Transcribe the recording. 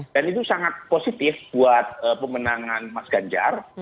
dan itu sangat positif buat pemenangan mas ganjar